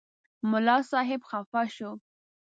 ملا صاحب خفه شو.